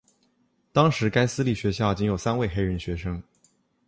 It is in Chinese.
当时该私立学校仅有三位黑人学生。